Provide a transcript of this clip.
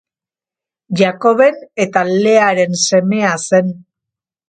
Jakoben eta Learen semea zen.